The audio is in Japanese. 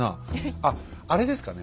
あっあれですかね